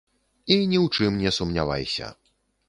І ні ў чым не сумнявайся.